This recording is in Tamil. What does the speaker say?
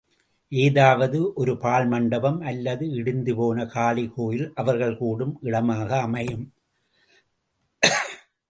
ஏதாவது ஒரு பாழ்மண்டபம் அல்லது இடிந்துபோன காளி கோயில் அவர்கள் கூடும் இடமாக அமையும்.